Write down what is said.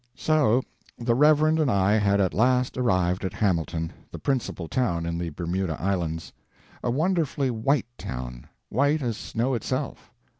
So the Reverend and I had at last arrived at Hamilton, the principal town in the Bermuda Islands. A wonderfully white town; white as snow itself.